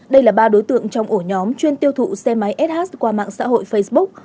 đây là ba đối tượng trong ổ nhóm chuyên tiêu thụ xe máy sh qua mạng xã hội facebook